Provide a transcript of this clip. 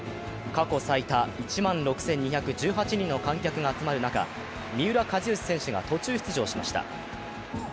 過去最多１万６２１８人の観客が集まる中、三浦知良選手が途中出場しました。